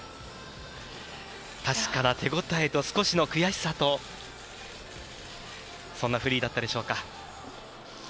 確かな手ごたえと少しの悔しさとそんなフリーだったでしょうか。